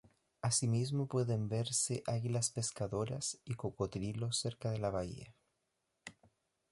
Así mismo pueden verse águilas pescadoras y cocodrilos cerca de la bahía.